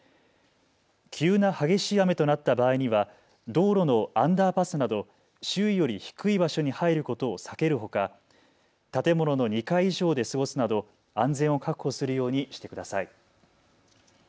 急な激しい雨となった場合には道路のアンダーパスなど周囲より低い場所に入ることを避けるほか建物の２階以上で過ごすなど安全を確保するようにしてください。